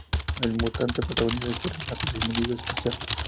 El mutante protagonista de este relato es un individuo especial.